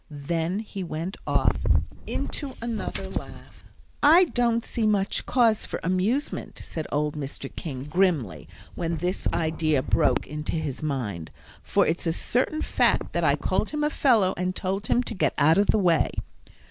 Then he went off into another laugh. "I don't see much cause for amusement," said old Mr. King, grimly, when this idea broke into his mind, "for it's a certain fact that I called him a fellow, and told him to get out of the way."